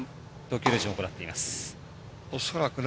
田中千晴が投球練習を行っています。